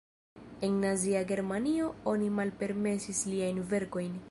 En Nazia Germanio oni malpermesis liajn verkojn.